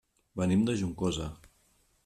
Venim de Juncosa.